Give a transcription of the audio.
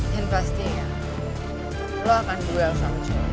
dan pastinya lo akan duel sama cowoknya